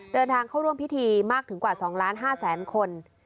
เดินทางเข้าร่วมพิธีมากถึงกว่า๒๕๐๐๐คน